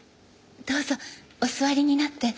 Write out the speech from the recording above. どうぞお座りになって。